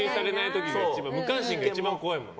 無関心が一番怖いもんね。